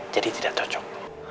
jadi tidak cocok